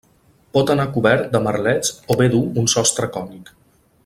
Pot anar cobert de merlets o bé dur un sostre cònic.